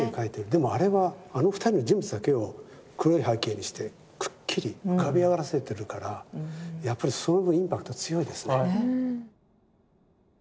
でもあれはあの２人の人物だけを黒い背景にしてくっきり浮かび上がらせてるからやっぱりその分インパクト強いですね。